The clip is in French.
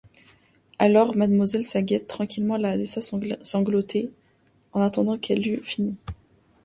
Alors, mademoiselle Saget, tranquillement, la laissa sangloter, attendant qu’elle eût fini.